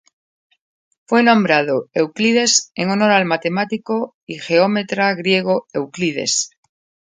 Fue nombrado Euclides en honor al matemático y geómetra griego Euclides.